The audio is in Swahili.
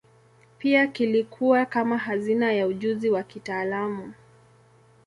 Pia kilikuwa kama hazina ya ujuzi wa kitaalamu.